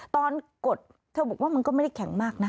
กดเธอบอกว่ามันก็ไม่ได้แข็งมากนะ